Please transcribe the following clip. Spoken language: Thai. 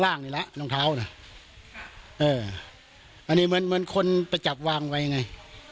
อันนี้เหมือนคนไปจับวางไว้ไง